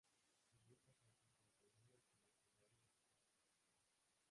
Su dieta consiste en semillas y material vegetal.